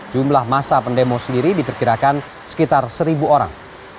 jumlah masa pendemo sendiri diperkirakan sekitar seribu orang